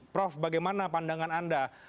prof bagaimana pandangan anda